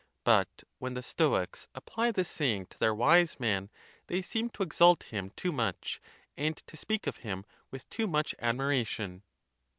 . But when the Stoics apply this saying to their wise man, they seem to exalt him too much, and to speak of him with too much admiration.